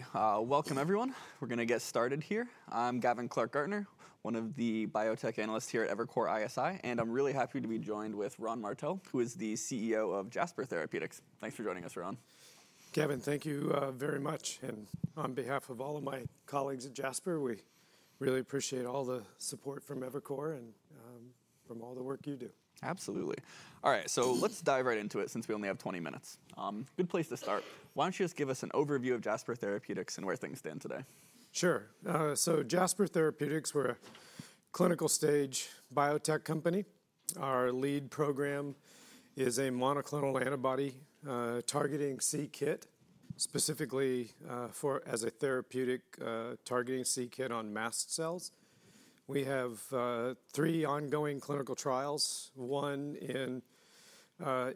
Hey. Welcome, everyone. We're going to get started here. I'm Gavin Clark-Gartner, one of the biotech analysts here at Evercore ISI, and I'm really happy to be joined with Ron Martell, who is the CEO of Jasper Therapeutics. Thanks for joining us, Ron. Gavin, thank you very much. And on behalf of all of my colleagues at Jasper, we really appreciate all the support from Evercore and from all the work you do. Absolutely. All right, so let's dive right into it since we only have 20 minutes. Good place to start. Why don't you just give us an overview of Jasper Therapeutics and where things stand today? Sure, so Jasper Therapeutics, we're a clinical stage biotech company. Our lead program is a monoclonal antibody targeting c-Kit, specifically as a therapeutic targeting c-Kit on mast cells. We have three ongoing clinical trials, one in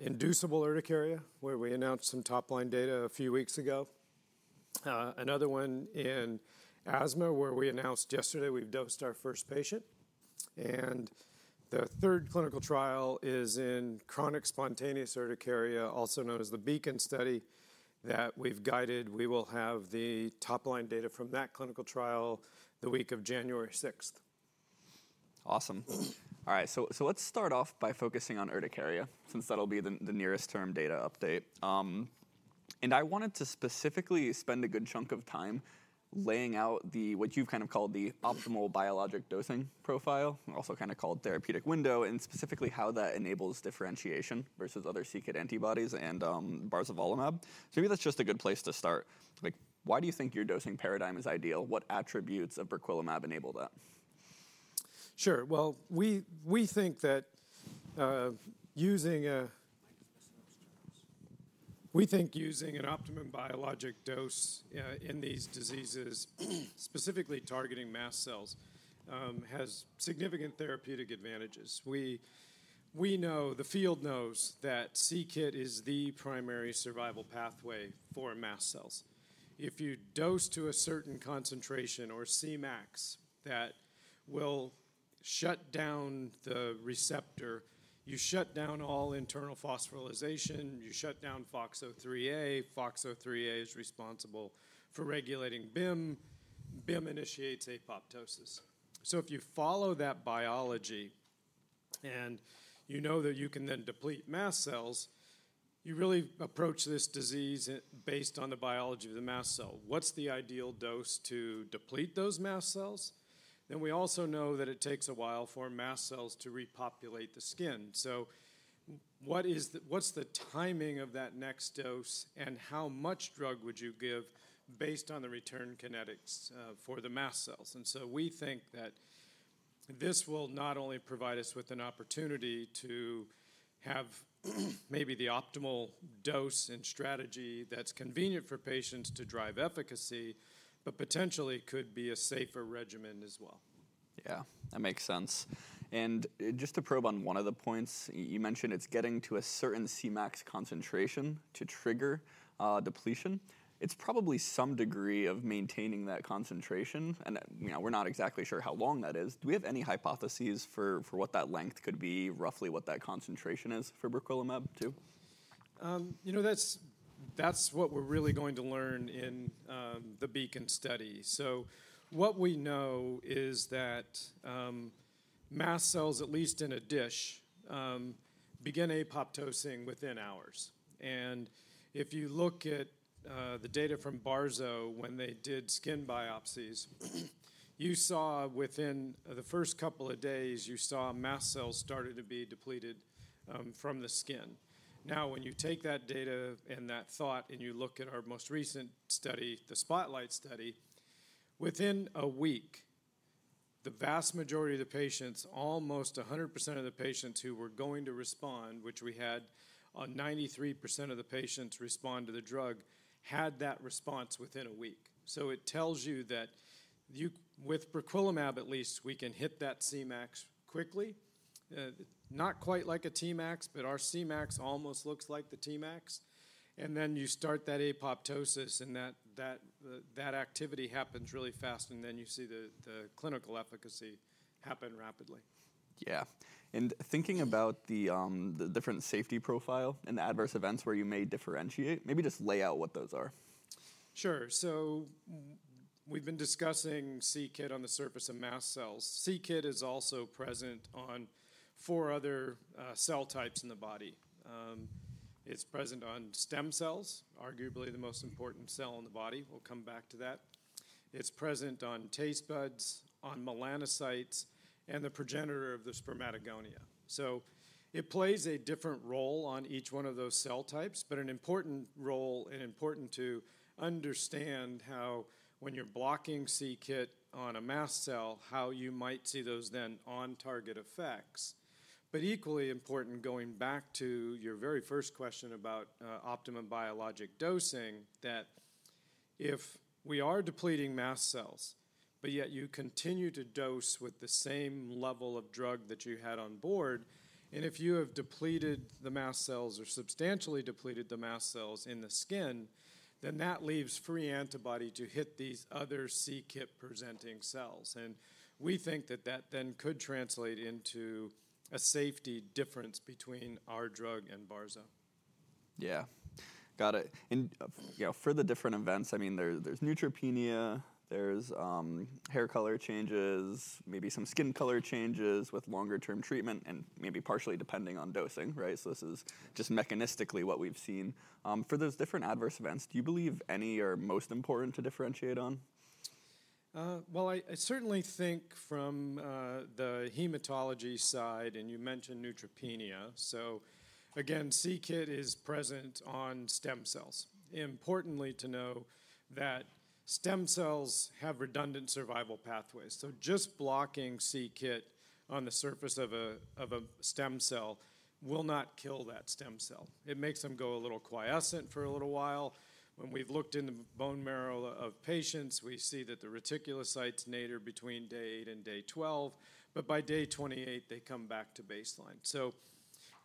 inducible urticaria where we announced some top-line data a few weeks ago, another one in asthma where we announced yesterday we've dosed our first patient, and the third clinical trial is in chronic spontaneous urticaria, also known as the BEACON study that we've guided. We will have the top-line data from that clinical trial the week of January 6th. Awesome. All right, so let's start off by focusing on urticaria since that'll be the nearest term data update. And I wanted to specifically spend a good chunk of time laying out what you've kind of called the optimal biologic dosing profile, also kind of called Therapeutic Window, and specifically how that enables differentiation versus other c-Kit antibodies and barzolvolimab. So maybe that's just a good place to start. Why do you think your dosing paradigm is ideal? What attributes of briquilimab enable that? Sure. Well, we think that using an optimum biologic dose in these diseases, specifically targeting mast cells, has significant therapeutic advantages. We know, the field knows that c-Kit is the primary survival pathway for mast cells. If you dose to a certain concentration or Cmax that will shut down the receptor, you shut down all internal phosphorylation, you shut down FOXO3a. FOXO3a is responsible for regulating Bim. Bim initiates apoptosis. So if you follow that biology and you know that you can then deplete mast cells, you really approach this disease based on the biology of the mast cell. What's the ideal dose to deplete those mast cells? Then we also know that it takes a while for mast cells to repopulate the skin. So what's the timing of that next dose and how much drug would you give based on the return kinetics for the mast cells? And so we think that this will not only provide us with an opportunity to have maybe the optimal dose and strategy that's convenient for patients to drive efficacy, but potentially could be a safer regimen as well. Yeah, that makes sense. And just to probe on one of the points, you mentioned it's getting to a certain Cmax concentration to trigger depletion. It's probably some degree of maintaining that concentration. And we're not exactly sure how long that is. Do we have any hypotheses for what that length could be, roughly what that concentration is for briquilimab too? You know, that's what we're really going to learn in the BEACON study. So what we know is that mast cells, at least in a dish, begin apoptosing within hours. And if you look at the data from barzo when they did skin biopsies, you saw within the first couple of days, you saw mast cells started to be depleted from the skin. Now, when you take that data and that thought and you look at our most recent study, the SPOTLIGHT study, within a week, the vast majority of the patients, almost 100% of the patients who were going to respond, which we had 93% of the patients respond to the drug, had that response within a week. It tells you that with briquilimab, at least we can hit that Cmax quickly, not quite like a Tmax, but our Cmax almost looks like the Tmax. And then you start that apoptosis and that activity happens really fast, and then you see the clinical efficacy happen rapidly. Yeah. And thinking about the different safety profile and the adverse events where you may differentiate, maybe just lay out what those are. Sure. So we've been discussing c-Kit on the surface of mast cells. c-Kit is also present on four other cell types in the body. It's present on stem cells, arguably the most important cell in the body. We'll come back to that. It's present on taste buds, on melanocytes, and the progenitor of the spermatogonia. So it plays a different role on each one of those cell types, but an important role and important to understand how when you're blocking c-Kit on a mast cell, how you might see those then on-target effects. But equally important, going back to your very first question about optimum biologic dosing, that if we are depleting mast cells, but yet you continue to dose with the same level of drug that you had on board, and if you have depleted the mast cells or substantially depleted the mast cells in the skin, then that leaves free antibody to hit these other c-Kit presenting cells. And we think that that then could translate into a safety difference between our drug and barzo. Yeah, got it. And for the different events, I mean, there's neutropenia, there's hair color changes, maybe some skin color changes with longer-term treatment, and maybe partially depending on dosing, right? So this is just mechanistically what we've seen. For those different adverse events, do you believe any are most important to differentiate on? I certainly think from the hematology side, and you mentioned neutropenia. So again, c-Kit is present on stem cells. Importantly to know that stem cells have redundant survival pathways. So just blocking c-Kit on the surface of a stem cell will not kill that stem cell. It makes them go a little quiescent for a little while. When we've looked in the bone marrow of patients, we see that the reticulocytes nadir between day eight and day 12, but by day 28, they come back to baseline. So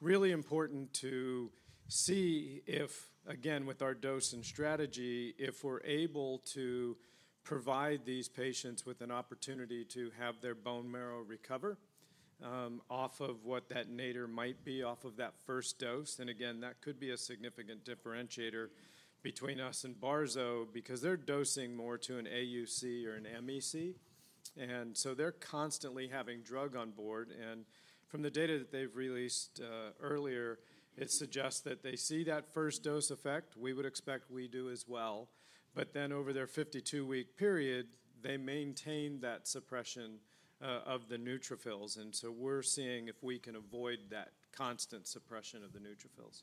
really important to see if, again, with our dose and strategy, if we're able to provide these patients with an opportunity to have their bone marrow recover off of what that nadir might be off of that first dose. And again, that could be a significant differentiator between us and barzo because they're dosing more to an AUC or an MEC. And so they're constantly having drug on board. And from the data that they've released earlier, it suggests that they see that first dose effect. We would expect we do as well. But then over their 52-week period, they maintain that suppression of the neutrophils. And so we're seeing if we can avoid that constant suppression of the neutrophils.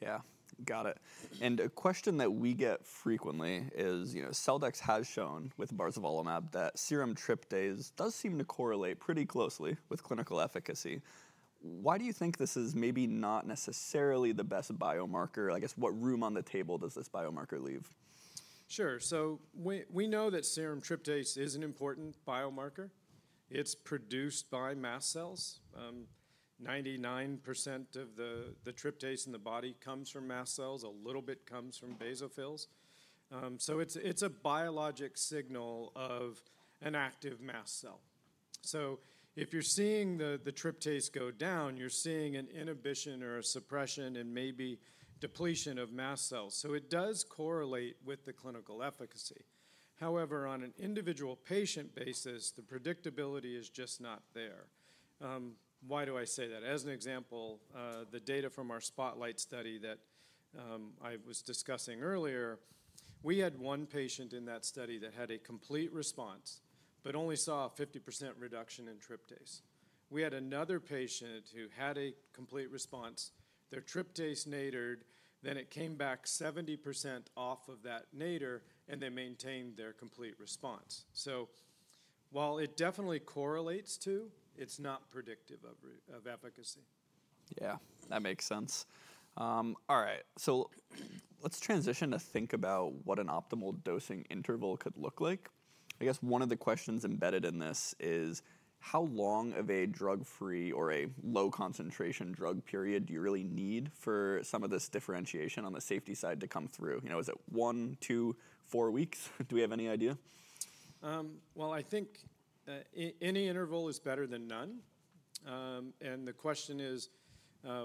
Yeah, got it. And a question that we get frequently is, you know, Celldex has shown with barzolvolimab that serum tryptase does seem to correlate pretty closely with clinical efficacy. Why do you think this is maybe not necessarily the best biomarker? I guess what room on the table does this biomarker leave? Sure. So we know that serum tryptase is an important biomarker. It's produced by mast cells. 99% of the tryptase in the body comes from mast cells. A little bit comes from basophils. So it's a biologic signal of an active mast cell. So if you're seeing the tryptase go down, you're seeing an inhibition or a suppression and maybe depletion of mast cells. So it does correlate with the clinical efficacy. However, on an individual patient basis, the predictability is just not there. Why do I say that? As an example, the data from our SPOTLIGHT study that I was discussing earlier, we had one patient in that study that had a complete response, but only saw a 50% reduction in tryptase. We had another patient who had a complete response. Their tryptase nadired, then it came back 70% off of that nadir, and they maintained their complete response. So while it definitely correlates to, it's not predictive of efficacy. Yeah, that makes sense. All right, so let's transition to think about what an optimal dosing interval could look like. I guess one of the questions embedded in this is how long of a drug-free or a low-concentration drug period do you really need for some of this differentiation on the safety side to come through? You know, is it one, two, four weeks? Do we have any idea? I think any interval is better than none. The question is,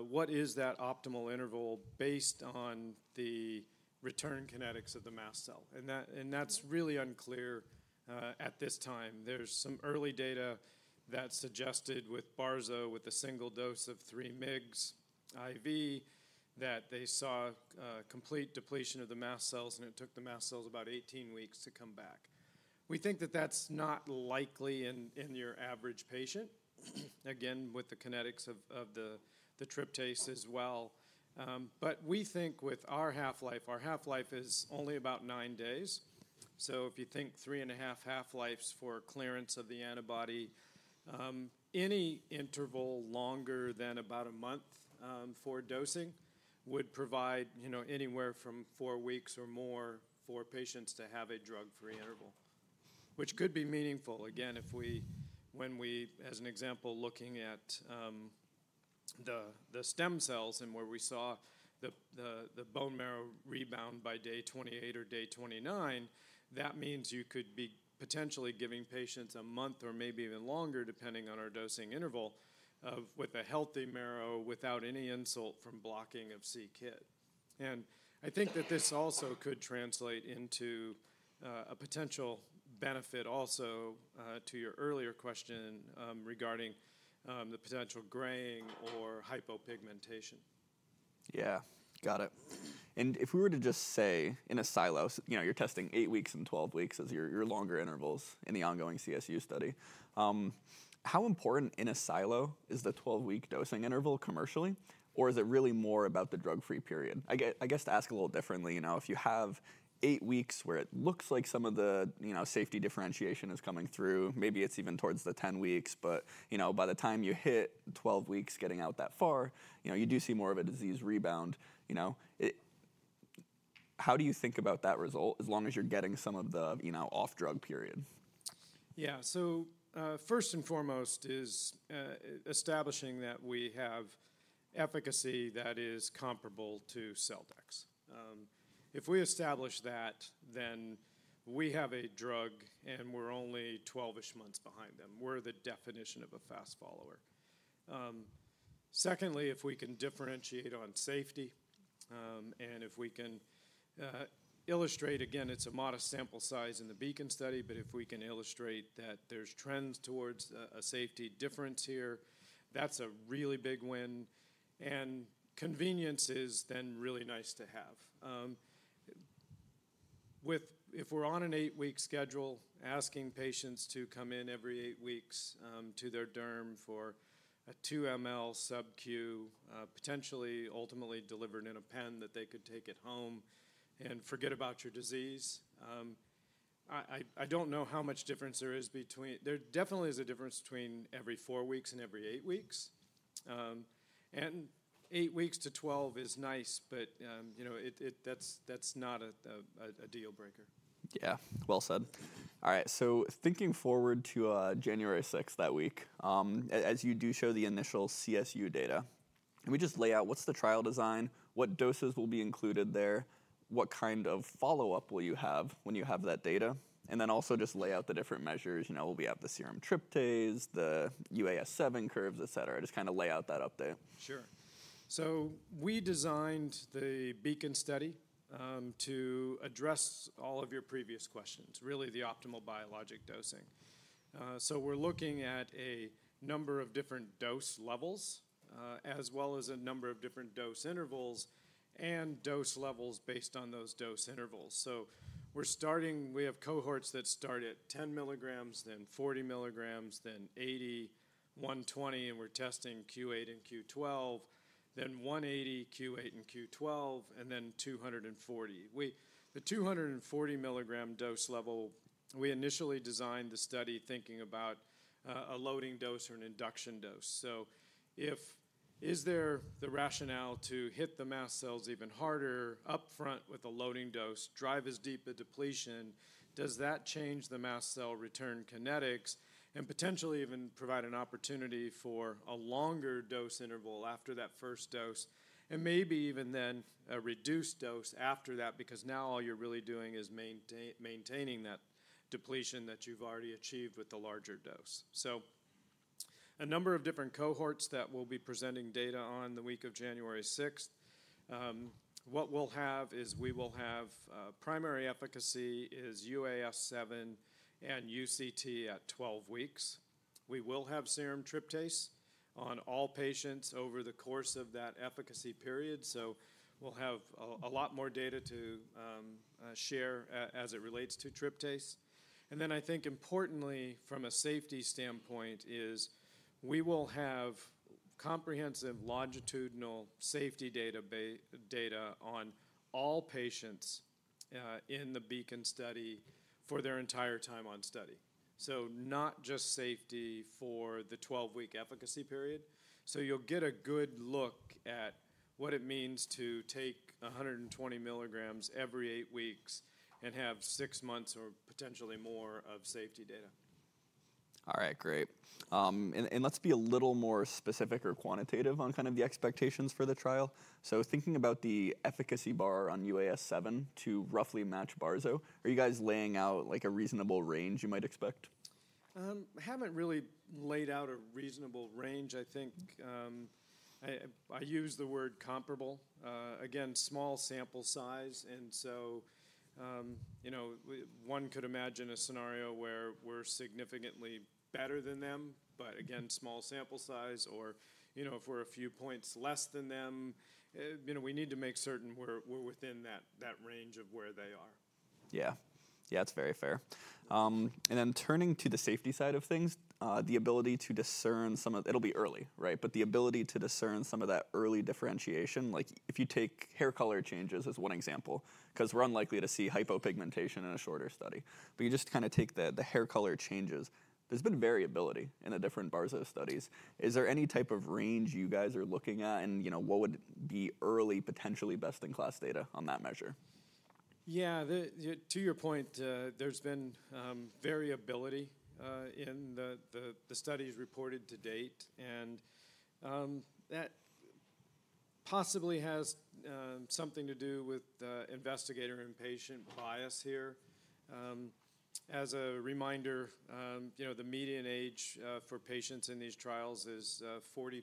what is that optimal interval based on the return kinetics of the mast cell? That's really unclear at this time. There's some early data that suggested with barzo, with a single dose of 3 mg IV, that they saw complete depletion of the mast cells, and it took the mast cells about 18 weeks to come back. We think that that's not likely in your average patient, again, with the kinetics of the tryptase as well. We think with our half-life, our half-life is only about nine days. If you think three and a half half-lives for clearance of the antibody, any interval longer than about a month for dosing would provide anywhere from four weeks or more for patients to have a drug-free interval, which could be meaningful. Again, if we, as an example, looking at the stem cells and where we saw the bone marrow rebound by day 28 or day 29, that means you could be potentially giving patients a month or maybe even longer, depending on our dosing interval, with a healthy marrow without any insult from blocking of c-Kit. And I think that this also could translate into a potential benefit also to your earlier question regarding the potential graying or hypopigmentation. Yeah, got it. And if we were to just say in a silo, you know, you're testing eight weeks and 12 weeks as your longer intervals in the ongoing CSU study, how important in a silo is the 12-week dosing interval commercially, or is it really more about the drug-free period? I guess to ask a little differently, you know, if you have eight weeks where it looks like some of the safety differentiation is coming through, maybe it's even towards the 10 weeks, but you know, by the time you hit 12 weeks getting out that far, you know, you do see more of a disease rebound. You know, how do you think about that result as long as you're getting some of the off-drug period? Yeah, so first and foremost is establishing that we have efficacy that is comparable to Celldex. If we establish that, then we have a drug and we're only 12-ish months behind them. We're the definition of a fast follower. Secondly, if we can differentiate on safety and if we can illustrate, again, it's a modest sample size in the beacon study, but if we can illustrate that there's trends towards a safety difference here, that's a really big win. And convenience is then really nice to have. If we're on an eight-week schedule, asking patients to come in every eight weeks to their derm for a 2 ml Sub-Q, potentially ultimately delivered in a pen that they could take at home and forget about your disease. I don't know how much difference there is between, there definitely is a difference between every four weeks and every eight weeks. Eight weeks to 12 is nice, but you know, that's not a deal breaker. Yeah, well said. All right, so thinking forward to January 6th that week, as you do show the initial CSU data, can we just lay out what's the trial design, what doses will be included there, what kind of follow-up will you have when you have that data, and then also just lay out the different measures, you know, will we have the serum tryptase, the UAS7 curves, et cetera, just kind of lay out that update? Sure. So we designed the BEACON study to address all of your previous questions, really the optimal biologic dosing. So we're looking at a number of different dose levels, as well as a number of different dose intervals and dose levels based on those dose intervals. So we're starting; we have cohorts that start at 10 mg, then 40 mg, then 80, 120, and we're testing Q8 and Q12, then 180, Q8 and Q12, and then 240. The 240 mg dose level, we initially designed the study thinking about a loading dose or an induction dose. So, is there the rationale to hit the mast cells even harder upfront with a loading dose, drive as deep a depletion, does that change the mast cell return kinetics and potentially even provide an opportunity for a longer dose interval after that first dose and maybe even then a reduced dose after that because now all you're really doing is maintaining that depletion that you've already achieved with the larger dose? A number of different cohorts that we'll be presenting data on the week of January 6th. What we'll have is we will have primary efficacy is UAS7 and UCT at 12 weeks. We will have serum tryptase on all patients over the course of that efficacy period. So we'll have a lot more data to share as it relates to tryptase. And then I think importantly from a safety standpoint is we will have comprehensive longitudinal safety data on all patients in the BEACON study for their entire time on study. So not just safety for the 12-week efficacy period. So you'll get a good look at what it means to take 120 mg every eight weeks and have six months or potentially more of safety data. All right, great, and let's be a little more specific or quantitative on kind of the expectations for the trial, so thinking about the efficacy bar on UAS7 to roughly match barzo, are you guys laying out like a reasonable range you might expect? I haven't really laid out a reasonable range. I think I use the word comparable. Again, small sample size. And so, you know, one could imagine a scenario where we're significantly better than them, but again, small sample size or, you know, if we're a few points less than them, you know, we need to make certain we're within that range of where they are. Yeah, yeah, that's very fair. And then turning to the safety side of things, the ability to discern some of, it'll be early, right? But the ability to discern some of that early differentiation, like if you take hair color changes as one example, because we're unlikely to see hypopigmentation in a shorter study, but you just kind of take the hair color changes. There's been variability in the different barzo studies. Is there any type of range you guys are looking at and, you know, what would be early potentially best in class data on that measure? Yeah, to your point, there's been variability in the studies reported to date, and that possibly has something to do with investigator and patient bias here. As a reminder, you know, the median age for patients in these trials is 40+,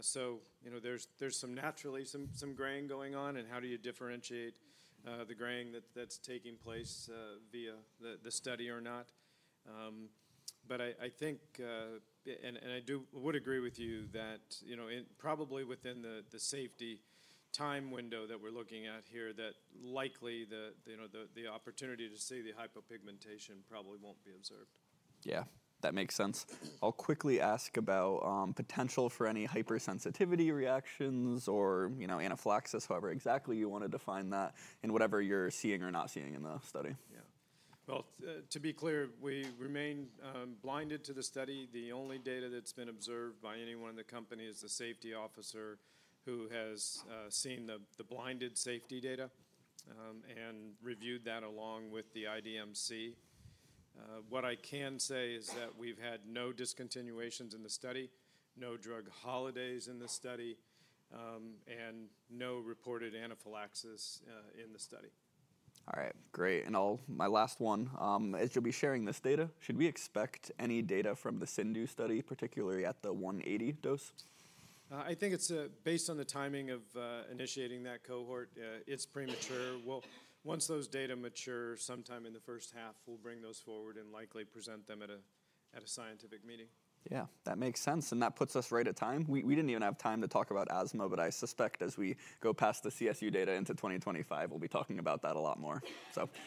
so you know, there's naturally some graying going on and how do you differentiate the graying that's taking place via the study or not. I think, and I would agree with you that, you know, probably within the safety time window that we're looking at here, that likely the opportunity to see the hypopigmentation probably won't be observed. Yeah, that makes sense. I'll quickly ask about potential for any hypersensitivity reactions or, you know, anaphylaxis, however exactly you want to define that in whatever you're seeing or not seeing in the study. Yeah, well, to be clear, we remain blinded to the study. The only data that's been observed by anyone in the company is the safety officer who has seen the blinded safety data and reviewed that along with the IDMC. What I can say is that we've had no discontinuations in the study, no drug holidays in the study, and no reported anaphylaxis in the study. All right, great. And my last one, as you'll be sharing this data, should we expect any data from the CIndU study, particularly at the 180 dose? I think it's based on the timing of initiating that cohort. It's premature. Once those data mature sometime in the first half, we'll bring those forward and likely present them at a scientific meeting. Yeah, that makes sense. And that puts us right at time. We didn't even have time to talk about asthma, but I suspect as we go past the CSU data into 2025, we'll be talking about that a lot more. So.